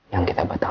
yang kita batalkan